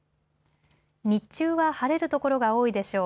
日中は晴れる所が多いでしょう。